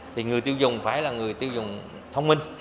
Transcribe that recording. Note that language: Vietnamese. thì người tiêu dùng phải là người tiêu dùng thông minh